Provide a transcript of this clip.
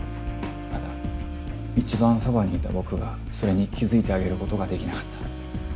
ただ一番側にいた僕がそれに気づいてあげることができなかった。